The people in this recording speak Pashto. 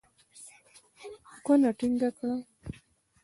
کونه ټينګه کړه.